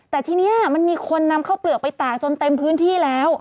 แต่ทีนี้มันมีคนนำเข้าเปลือกไปตากจนเต็มพื้นที่แล้ว